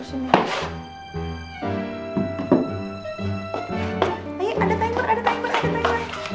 ayo ada timer ada timer ada timer